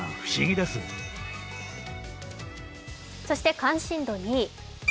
そして関心度２位。